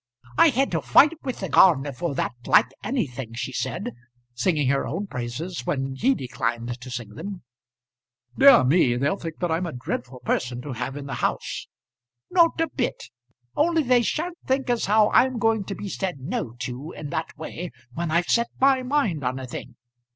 "I had to fight with the gardener for that like anything," she said, singing her own praises when he declined to sing them. "Dear me! They'll think that I am a dreadful person to have in the house." "Not a bit. Only they sha'n't think as how I'm going to be said 'no' to in that way when I've set my mind on a thing.